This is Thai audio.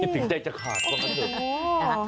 อย่าติดใจจะขาดก็มาเถอะ